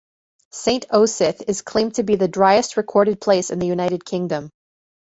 Saint Osyth is claimed to be the driest recorded place in the United Kingdom.